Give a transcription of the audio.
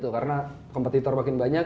karena kompetitor makin banyak